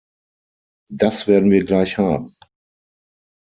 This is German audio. Das werden wir gleich haben!